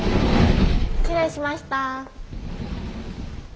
失礼しました。